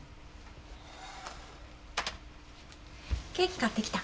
ケーキ買ってきた。